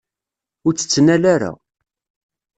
Ur tt-tettnal ara.